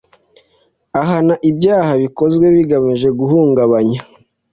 ahana ibyaha bikozwe bigamije guhungabanya